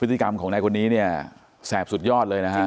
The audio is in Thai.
ติกรรมของนายคนนี้เนี่ยแสบสุดยอดเลยนะฮะ